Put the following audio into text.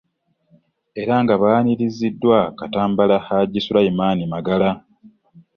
Era nga baaniriziddwa Katambala Hajji Sulaiman Magala.